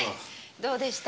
どうでした？